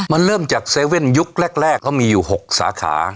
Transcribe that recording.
มันเริ่มจาก๗๑๑ยุคแรกเขามีอยู่๖สาขา